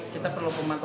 kita perlu pematikan